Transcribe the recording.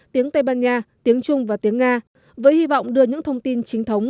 tiếng tây ban nha tiếng trung và tiếng nga với hy vọng đưa những thông tin chính thống